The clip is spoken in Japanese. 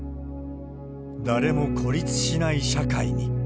誰も孤立しない社会に。